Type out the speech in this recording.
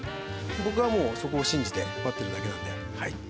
僕はもうそこを信じて待っているだけなので。